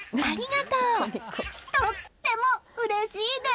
とってもうれしいです！